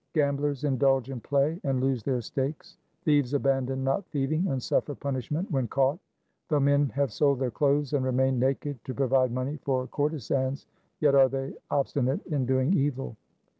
Gamblers indulge in play and lose their stakes. Thieves abandon not thieving and suffer punishment when caught. Though men have sold their clothes, and remain naked to provide money for courtesans, yet are they obstinate in doing evil.